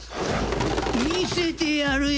見せてやるよ！